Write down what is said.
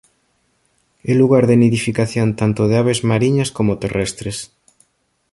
É lugar de nidificación tanto de aves mariñas como terrestres.